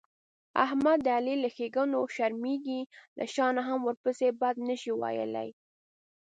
احمد د علي له ښېګڼونه شرمېږي، له شا نه هم ورپسې بد نشي ویلای.